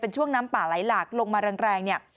ช่วงน้ำป่าไหลหลากลงมาแรงเนี่ย